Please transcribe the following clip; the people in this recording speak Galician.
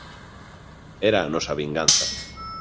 Era a nosa vinganza;